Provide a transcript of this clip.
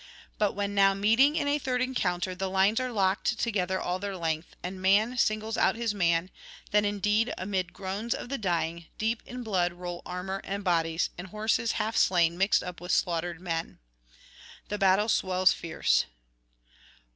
But when now meeting in a third encounter, the lines are locked together all their length, and man singles out his man; then indeed, amid groans of the dying, deep in blood roll armour and bodies, and horses half slain mixed up with slaughtered men. The battle swells fierce.